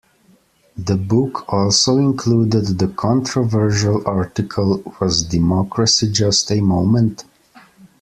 The book also included the controversial article Was Democracy Just A Moment?